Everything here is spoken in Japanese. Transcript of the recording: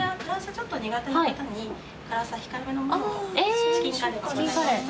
ちょっと苦手な方に辛さ控えめのものをチキンカレーもございます。